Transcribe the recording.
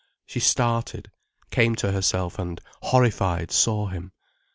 She started, came to herself, and, horrified, saw him.